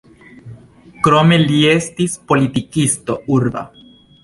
Krome li estis politikisto urba.